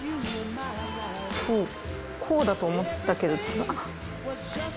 こうだと思ったけど違うあっ。